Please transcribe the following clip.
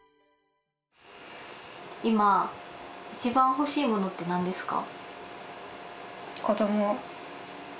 今一番欲しいものってなんですか？